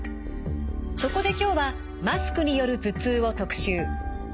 そこで今日はマスクによる頭痛を特集。